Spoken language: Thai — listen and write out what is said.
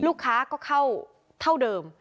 ลูกค้าก็เข้าเท่าเดิม